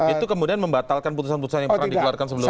itu kemudian membatalkan putusan putusan yang pernah dikeluarkan sebelumnya